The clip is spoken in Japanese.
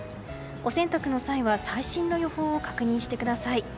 お洗濯の際は最新の予報を確認してください。